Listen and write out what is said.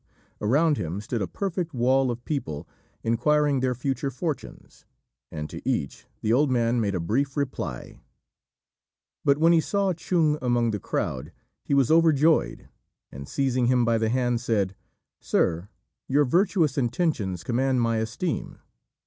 Around him stood a perfect wall of people inquiring their future fortunes, and to each the old man made a brief reply: but when he saw Chung among the crowd, he was overjoyed, and, seizing him by the hand, said, "Sir, your virtuous intentions command my esteem."